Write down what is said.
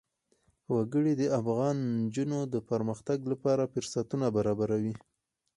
وګړي د افغان نجونو د پرمختګ لپاره فرصتونه برابروي.